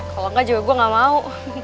kalau enggak juga gue gak mau